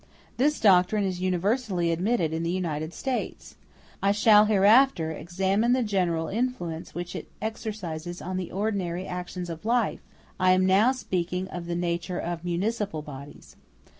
This doctrine is universally admitted in the United States. I shall hereafter examine the general influence which it exercises on the ordinary actions of life; I am now speaking of the nature of municipal bodies.